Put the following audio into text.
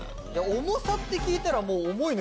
重さって聞いたら。